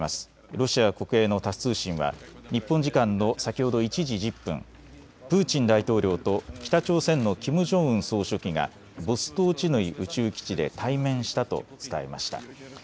ロシア国営のタス通信は日本時間の先ほど１時１０分、プーチン大統領と北朝鮮のキム・ジョンウン総書記がボストーチヌイ宇宙基地で対面したと伝えました。